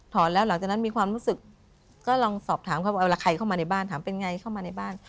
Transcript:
แล้วหลังจากนั้นมีความรู้สึกก็ลองสอบถามเขาว่าเอาละใครเข้ามาในบ้านถามเป็นไงเข้ามาในบ้าน